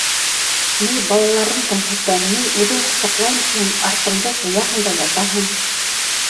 Ней балаларың кәмһетә, ней үҙең ҡосаҡлайым тиһәң, артыңды ҡуяһың да ятаһың.